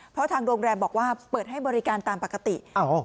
เพราะทางโรงแรมบอกว่าเปิดให้บริการตามปกติ